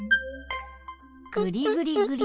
ぐりぐりぐり。